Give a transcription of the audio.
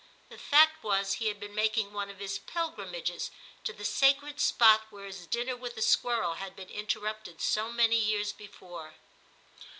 The fact was he had been making one of his pilgrimages to the sacred spot where his dinner with the squirrel had been interrupted so many years before.